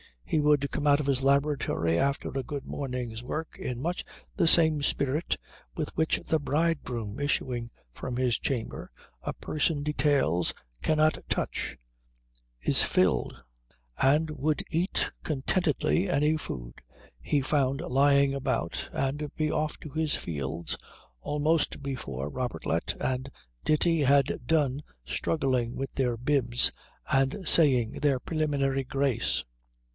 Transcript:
He would come out of his laboratory after a good morning's work in much the same spirit with which the bridegroom issuing from his chamber, a person details cannot touch, is filled, and would eat contentedly any food he found lying about and be off to his fields almost before Robertlet and Ditti had done struggling with their bibs and saying their preliminary grace.